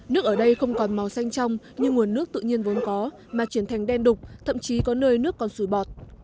nước ở đây không còn màu xanh trong như nguồn nước tự nhiên vốn có mà chuyển thành đen đục thậm chí có nơi nước còn sủi bọt